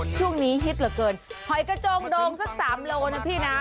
ช่วงนี้ฮิตเหลือเกินหอยกระจงโดงสัก๓โลนะพี่นะ